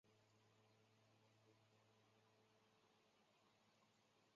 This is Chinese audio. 弗于斯克是挪威诺尔兰郡的一个自治市。